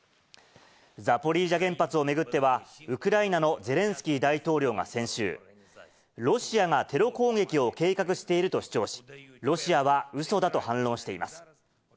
ザポリージャ原発を巡っては、ウクライナのゼレンスキー大統領が先週、ロシアがテロ攻撃を計画していると主張し、ロシアはうそだと反論しています。